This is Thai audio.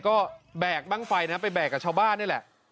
ก็แบกบ้างไฟนะไปแบกกับชาวบ้านนี่แหละ